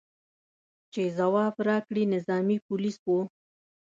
چې ځواب راکړي، نظامي پولیس و.